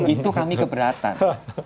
itu kami keberatan